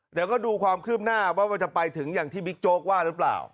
เดี๋ยวก็ดูความคืบหน้าว่ามันจะไปถึงอย่างที่บิ๊กโจ๊กว่าหรือเปล่า